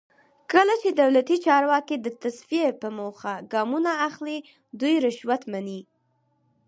کله چې دولتي چارواکي د تصفیې په موخه ګامونه اخلي دوی رشوت مني.